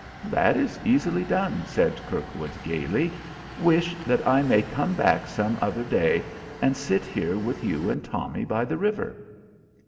"That is easily done," said Kirkwood gayly. "Wish that I may come back some other day, and sit here with you and Tommy by the river."